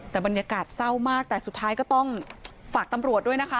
แต่บรรยากาศเศร้ามากแต่สุดท้ายก็ต้องฝากตำรวจด้วยนะคะ